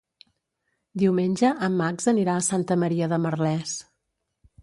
Diumenge en Max anirà a Santa Maria de Merlès.